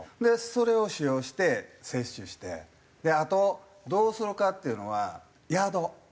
それを使用して窃取してあとどうするかっていうのはヤード。